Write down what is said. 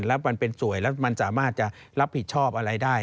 แล้วมันเป็นสวยแล้วมันสามารถจะรับผิดชอบอะไรได้